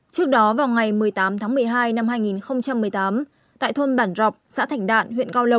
trước đó vào ngày một mươi tám tháng một mươi hai năm hai nghìn một mươi tám tại thôn bản rọc xã thành đạn huyện cao lộc